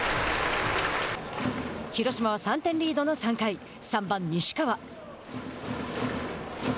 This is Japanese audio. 広島は３点リードの３回３番、西川。